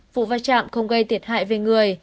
vụ va chạm không gây thiệt hại